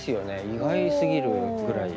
意外すぎるぐらい。